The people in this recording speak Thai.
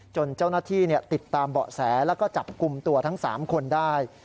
จนเจ้าหน้าที่ติดตามเบาะแสแล้วก็จับกลุ่มตัวทั้ง๓คนได้